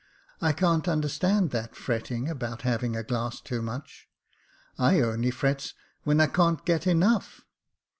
I can't understand that fretting about having had a glass too much. I only frets when I can't get enough.